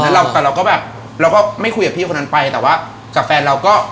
แต่เราก็แบบไม่คุยกับพี่คนนั้นไปแต่ว่ากับแฟนเราก็